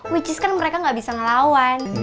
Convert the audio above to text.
which is kan mereka gak bisa ngelawan